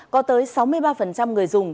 có tới sáu mươi ba người dùng